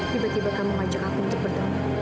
tiba tiba kamu ngajak aku untuk bertemu